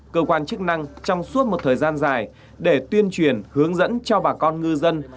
cơ quan chức năng trong suốt một thời gian dài để tuyên truyền hướng dẫn cho bà con ngư dân